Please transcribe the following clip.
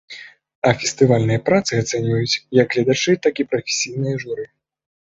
А фестывальныя працы ацэньваюць як гледачы, так і прафесійнае журы.